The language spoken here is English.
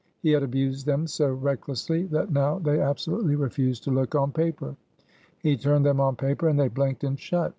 He had abused them so recklessly, that now they absolutely refused to look on paper. He turned them on paper, and they blinked and shut.